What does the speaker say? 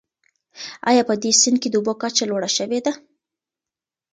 آیا په دې سیند کې د اوبو کچه لوړه شوې ده؟